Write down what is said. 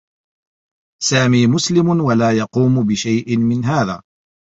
سامي مسلم و لا يقوم بأيّ شيء من هذا.